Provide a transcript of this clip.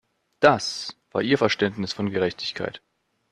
Das war ihr Verständnis von Gerechtigkeit.